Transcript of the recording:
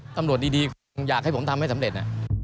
ตำรวจดีคงอยากให้ผมทำให้สำเร็จ